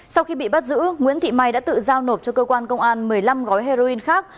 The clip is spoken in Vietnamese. sau khi bị bắt giữ nguyễn thị mai đã tự giao nộp cho cơ quan công an một mươi năm gói heroin khác